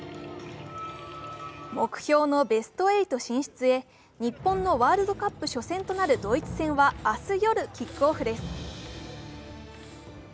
目標のベスト８進出へ、日本のワールドカップ初戦となるドイツ戦は明日夜、キックオフです。